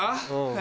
え！